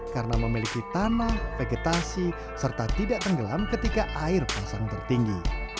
karena memiliki tanah vegetasi serta tidak tenggelam ketika air pasang tertinggi